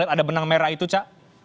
ada benang merah itu cak